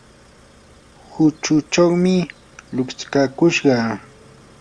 huchuchawmi lutskakushqa.